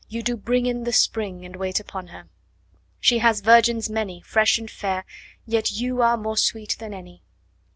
You do bring In the spring, And wait upon her. She has virgins many, 5 Fresh and fair; Yet you are More sweet than any.